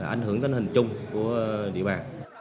ảnh hưởng tình hình chung của địa bàn